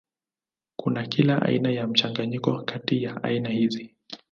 Kuna kila aina ya mchanganyiko kati ya aina hizi.